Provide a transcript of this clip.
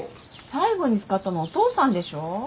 最後に使ったのお父さんでしょ。